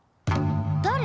・だれ？